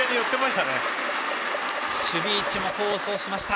守備位置も功を奏しました。